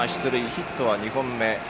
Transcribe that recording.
ヒットは２本目。